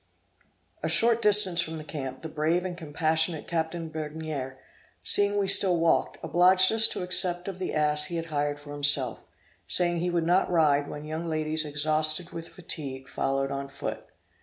A short distance from the camp, the brave and compassionate Capt. Begnere, seeing we still walked, obliged us to accept of the ass he had hired for himself, saying he would not ride when young ladies exhausted with fatigue, followed on foot.